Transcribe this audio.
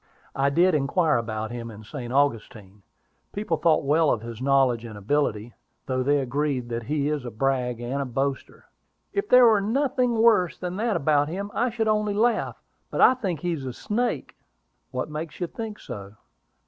"I did inquire about him in St. Augustine: people thought well of his knowledge and ability, though they agree that he is a brag and a boaster." "If there were nothing worse than that about him, I should only laugh. But I think he is a snake." "What makes you think so?"